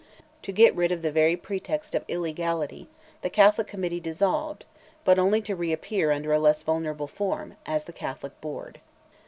To get rid of the very pretext of illegality, the Catholic Committee dissolved, but only to reappear under a less vulnerable form, as "the Catholic Board."